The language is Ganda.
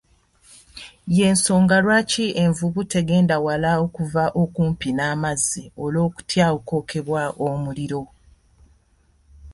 Y'ensonga Iwaki envubu tegenda wala okuva okumpi n'amazzi olw'okutya okwokebwa omuliro.